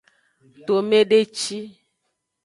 Tomedeci.